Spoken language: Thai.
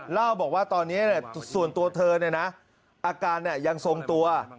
เล่าบอกว่าตอนนี้ส่วนตัวเธอเนี่ยนะอาการยังทรงตัว